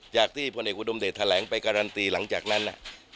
จากที่พลเอกอุดมเดชแถลงไปการันตีหลังจากนั้น